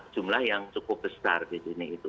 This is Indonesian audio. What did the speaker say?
jumlah yang cukup besar di sini itu